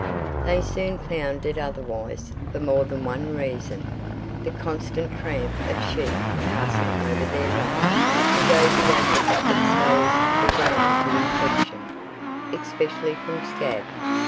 They soon found it otherwise for more than one reason. The constant tramp of sheep passing over their "run" to go beyond them exposed their ground to infection, especially from scab.